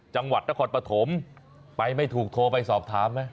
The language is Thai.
จังหวัดตะขอดปะถมไปไม่ถูกโทรไปสอบถาม